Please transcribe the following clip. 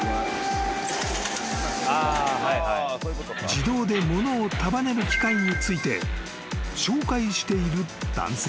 ［自動で物を束ねる機械について紹介している男性］